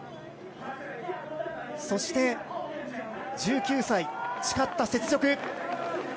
そして１９歳、誓った雪辱。